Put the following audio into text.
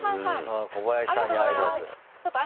ああ小林さんに挨拶。